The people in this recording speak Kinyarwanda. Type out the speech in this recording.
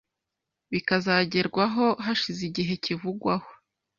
bikazgerwaho hashize igihe kivugwaho .